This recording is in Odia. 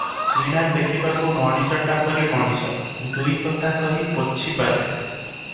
କିଣା ଦେଖିବାକୁ ମଣିଷଟା ପରି ମଣିଷ, ଦୁଇ କଥା କହି ପୋଛି ପାରେ ।